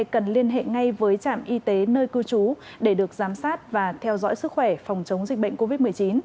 cần liên hệ ngay với trạm y tế nơi cư trú để được giám sát và theo dõi sức khỏe phòng chống dịch bệnh covid một mươi chín